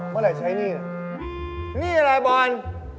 เมื่อไหร่ก็ใช้นี่ละนี่อะไรบอร์น